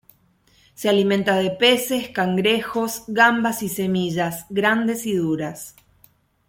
Se alimenta de peces, cangrejos, gambas y semillas grandes y duras.